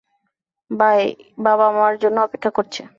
ভাই, বাবা আমার জন্য অপেক্ষা করছে।